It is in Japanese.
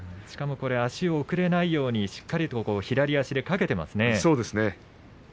しかも足を送れないようにしっかりと左足をかけていましたね。